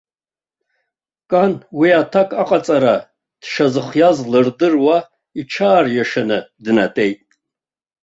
Кан уи аҭак аҟаҵара дшазхиаз лырдыруа, иҽаариашаны днатәеит.